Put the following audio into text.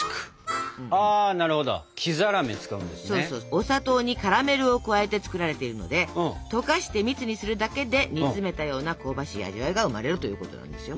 お砂糖にカラメルを加えて作られているので溶かして蜜にするだけで煮詰めたような香ばしい味わいが生まれるということなんですよ。